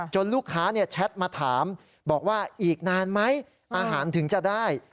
ลูกค้าแชทมาถามบอกว่าอีกนานไหมอาหารถึงจะได้